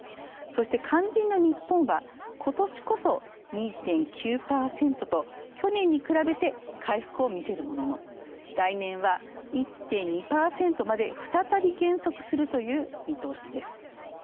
そして、肝心の日本はことしこそ、２．９％と去年に比べて回復をみせるものの来年は１．２％まで再び減速するという見通しです。